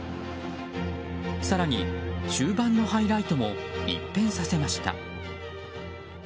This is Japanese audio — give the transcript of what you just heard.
更に、終盤のハイライトも一変させました。